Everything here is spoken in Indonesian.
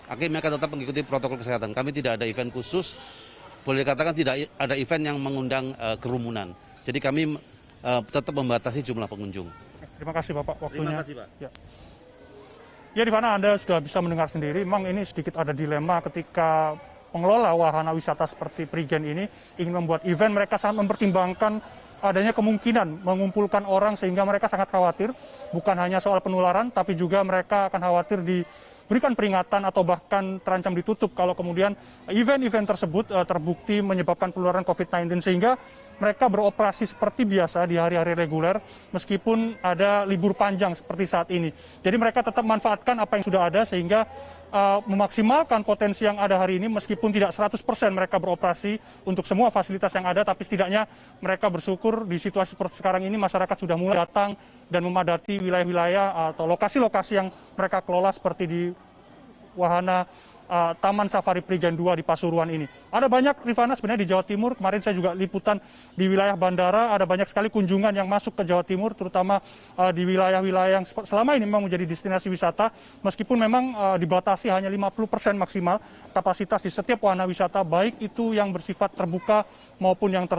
akhirnya akan tetap mengikuti protokol kesehatan kami tidak ada event khusus boleh dikatakan tidak ada event yang mengundang kerumunan